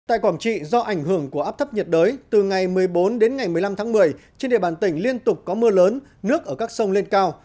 tại quảng trị do ảnh hưởng của áp thấp nhiệt đới từ ngày một mươi bốn đến ngày một mươi năm tháng một mươi trên địa bàn tỉnh liên tục có mưa lớn nước ở các sông lên cao